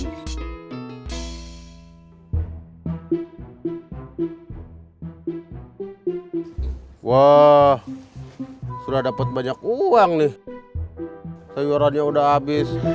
pernah sudah dapat banyak uang nih sayurannya udah habis